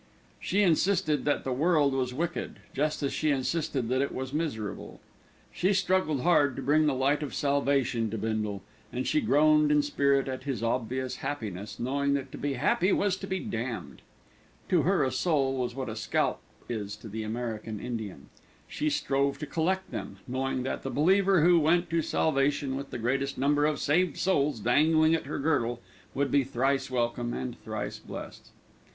She insisted that the world was wicked, just as she insisted that it was miserable. She struggled hard to bring the light of salvation to Bindle, and she groaned in spirit at his obvious happiness, knowing that to be happy was to be damned. To her, a soul was what a scalp is to the American Indian. She strove to collect them, knowing that the believer who went to salvation with the greatest number of saved souls dangling at her girdle, would be thrice welcome, and thrice blessed.